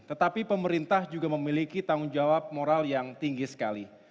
tetapi pemerintah juga memiliki tanggung jawab moral yang tinggi sekali